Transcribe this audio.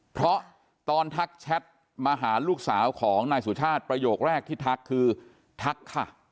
เพราะตอนทักแชทมาหาลูกสาวของนายสุชาติประโยคแรกที่ทักคือทักค่ะ